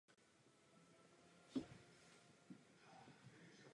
Po smrti Abrahama se vrátil do Říma.